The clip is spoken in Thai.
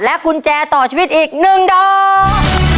กุญแจต่อชีวิตอีก๑ดอก